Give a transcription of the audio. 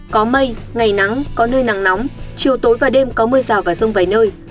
có mây ngày nắng có nơi nắng nóng chiều tối và đêm có mưa rào và rông vài nơi